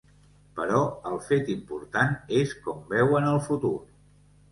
Però el fet important és com veuen el futur.